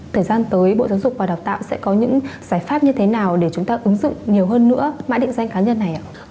thời gian tới bộ giáo dục và đào tạo sẽ có những giải pháp như thế nào để chúng ta ứng dụng nhiều hơn nữa mã định danh cá nhân này ạ